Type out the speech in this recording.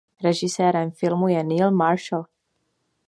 Režisérem filmu je Neil Marshall.